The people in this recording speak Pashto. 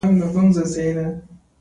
پیاله د انځورګر خیال دی.